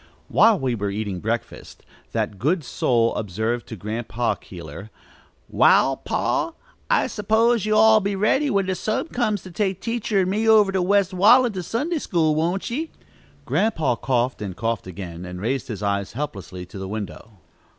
While we were eating breakfast, that good soul observed to Grandpa Keeler: "Wall, pa, I suppose you'll be all ready when the time comes to take teacher and me over to West Wallen to Sunday school, won't ye?" Grandpa coughed, and coughed again, and raised his eyes helplessly to the window.